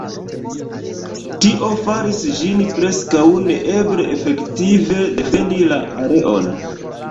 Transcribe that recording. Tio faris ĝin preskaŭ neeble efektive defendi la areon.